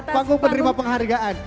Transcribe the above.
panggung penerima penghargaan